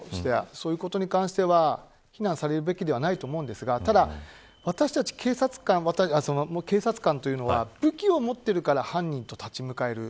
そのことに関しては非難されるべきではないと思いますがただ、私たち警察官というのは武器を持っているから犯人と立ち向かえる。